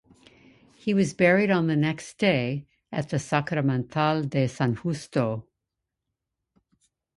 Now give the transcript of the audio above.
He was buried on the next day at the Sacramental de San Justo.